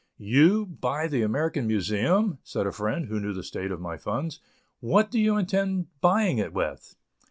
"You buy the American Museum!" said a friend, who knew the state of my funds, "what do you intend buying it with?"